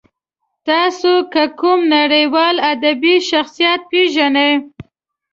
تاسې که کوم نړیوال ادبي شخصیت پېژنئ.